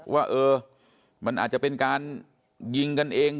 ว่าเออมันอาจจะเป็นการยิงกันเอง